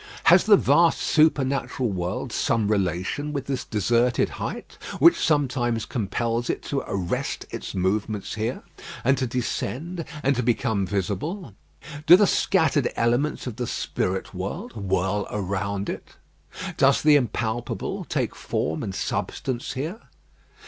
Has the vast supernatural world some relation with this deserted height, which sometimes compels it to arrest its movements here, and to descend and to become visible? Do the scattered elements of the spirit world whirl around it? Does the impalpable take form and substance here?